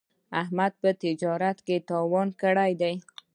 احمد په تجارت کې تاوان کړی دی.